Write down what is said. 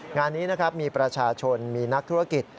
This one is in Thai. งานนี้มีประชาชนมีนักธุรกิจ